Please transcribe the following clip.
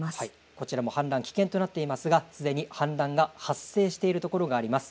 こちらも氾濫危険となっていますがすでに氾濫が発生しているところがあります。